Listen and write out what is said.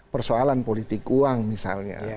persoalan politik uang misalnya